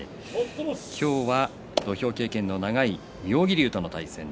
今日は土俵経験の長い妙義龍との対戦。